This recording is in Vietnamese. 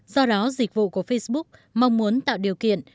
do đó dịch vụ của facebook mong muốn tạo điều kiện